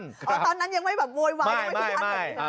อ๋อตอนนั้นยังไม่แบบโวยวายไม่เคยถ่ายเขาหรือเปล่า